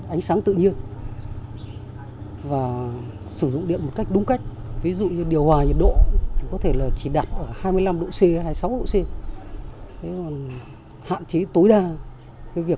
ánh sáng tự nhiên và sử dụng điện một cách đúng cách ví dụ như điều hòa nhiệt độ